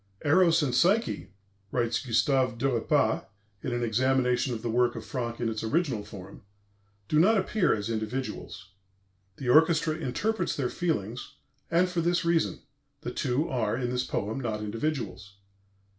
"Eros and Psyche," writes Gustave Derepas in an examination of the work of Franck in its original form, "do not appear as individuals. The orchestra interprets their feelings, and for this reason: the two are in this poem not individuals.